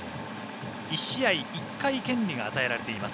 １試合、１回権利が与えられています。